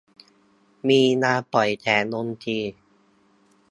มีงานปล่อยแสงดนตรี